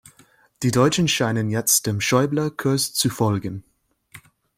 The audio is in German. Die Deutschen scheinen jetzt dem Schäuble-Kurs zu folgen.